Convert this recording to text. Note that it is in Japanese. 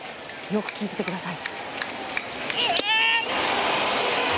よく聞いていてください。